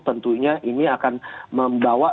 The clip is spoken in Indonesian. tentunya ini akan membawa